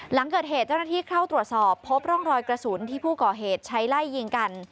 หลังเกิดเหตุเจ้าหน้าที่เข้าตรวจสอบพบร่องรอยกระสุนที่ผู้ก่อเหตุใช้ไล่ยิงกัน